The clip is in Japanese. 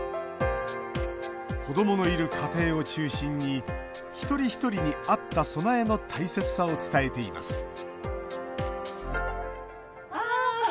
子どものいる家庭を中心に一人一人に合った備えの大切さを伝えています。